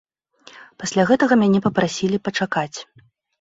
Пасля гэтага мяне папрасілі пачакаць.